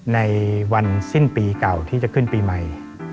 ในวันสิ้นปีเก่าที่จะขึ้นปีใหม่